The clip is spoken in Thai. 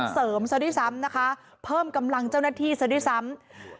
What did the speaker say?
เสริมซะด้วยซ้ำนะคะเพิ่มกำลังเจ้าหน้าที่ซะด้วยซ้ำ